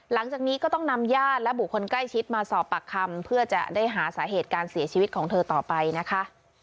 หลังจากนี้ก็ต้องนำญาติและบุคคลใกล้ชิดมาสอบปากคำเพื่อจะได้หาสาเหตุการเสียชีวิตของเธอต่อไปนะคะ